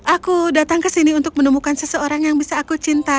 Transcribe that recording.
aku datang ke sini untuk menemukan seseorang yang bisa aku cinta